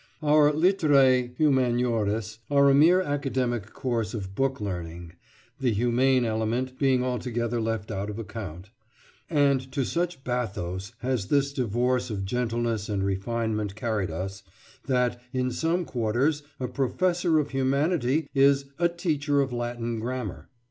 Our literæ humaniores are a mere academic course of book learning, the humane element being altogether left out of account; and to such bathos has this divorce of gentleness and refinement carried us that, in some quarters, a "professor of humanity" is—a teacher of Latin grammar.